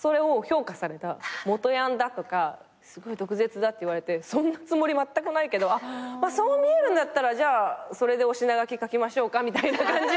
元ヤンだとかすごい毒舌だって言われてそんなつもりまったくないけどそう見えるんだったらじゃあそれでお品書き書きましょうかみたいな感じで。